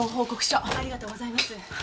ありがとうございます。